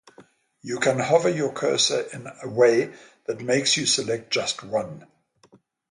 You can hover your cursor in a way that makes you select just one.